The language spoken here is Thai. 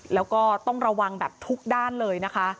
แล้วก็ต้องระวังแบบทุกด้านเลยนะคะ